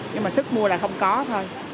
nhưng mà sức mua là không có thôi